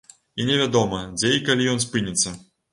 І не вядома, дзе і калі ён спыніцца.